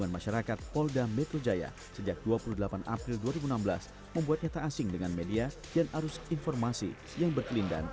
ini adalah pertanyaan ketika kami meluncurkan